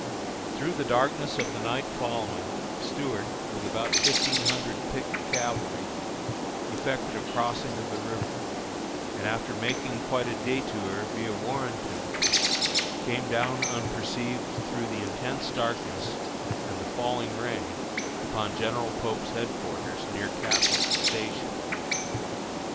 Through the darkness of the night following, Stuart, with about fifteen hundred picked cavalry, effected a crossing of the river, and after making quite a détour via Warrenton, came down unperceived through the intense darkness and the falling rain upon General Pope's headquarters near Catlett's Station.